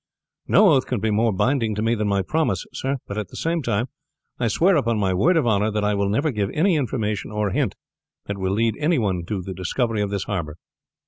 "No oath can be more binding to me than my promise, sir; but at the same time I swear upon my word of honor that I will never give any information or hint that will lead any one to the discovery of this harbor."